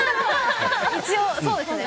一応、そうですね。